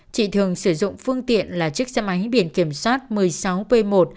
chị thường sử dụng phương tiện là chiếc xe máy biển kiểm soát một mươi sáu p một mươi chín nghìn sáu trăm bốn mươi bảy